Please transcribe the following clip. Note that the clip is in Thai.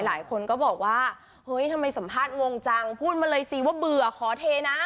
หลายคนก็บอกว่าเฮ้ยทำไมสัมภาษณ์วงจังพูดมาเลยสิว่าเบื่อขอเทนะ